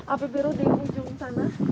api biru di ujung sana